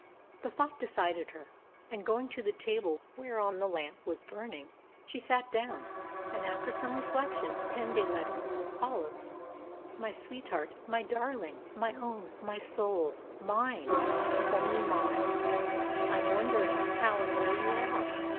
The thought decided her; and, going to the table whereon the lamp was burning, she sat down, and after some reflection, penned a letter as follows: "MY SWEETHEART, MY DARLING, MY OWN, MY SOUL MINE ONLY MINE, I am wondering how and where you are!